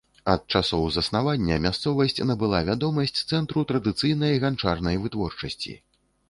Ад часоў заснавання мясцовасць набыла вядомасць цэнтру традыцыйнай ганчарнай вытворчасці.